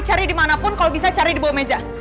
cari di mana pun kalau bisa cari di bawah meja